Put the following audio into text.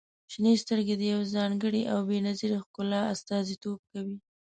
• شنې سترګې د يوې ځانګړې او بې نظیرې ښکلا استازیتوب کوي.